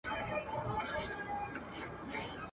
.هغه دي اوس له ارمانونو سره لوبي کوي.